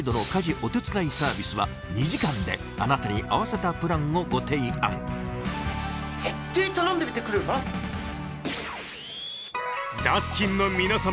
おてつだいサービスは２時間であなたに合わせたプランをご提案ぜってえ頼んでみてくれよなダスキンの皆様